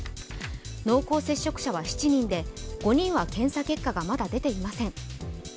濃厚接触者は７人で５人は検査結果がまだ出ていません。